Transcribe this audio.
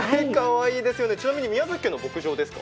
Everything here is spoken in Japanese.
ちなみに宮崎県の牧場ですか？